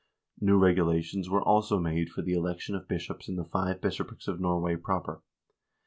New regulations were also made for the election of bishops in the five bishoprics of Norway proper.